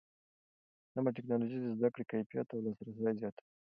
سمه ټکنالوژي د زده کړې کیفیت او لاسرسی زیاتوي.